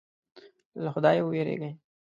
له خدایه وېرېږي.